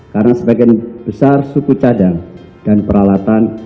karena sebagian besar suku cadang dan peralatan